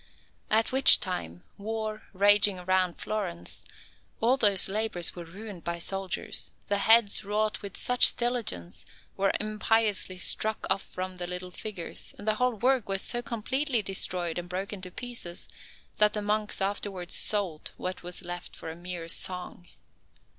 At which time, war raging round Florence, all those labours were ruined by soldiers, the heads wrought with such diligence were impiously struck off from the little figures, and the whole work was so completely destroyed and broken to pieces, that the monks afterwards sold what was left for a mere song.